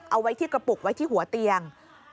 เอาไว้ที่กระปุกไว้ที่หัวเตียง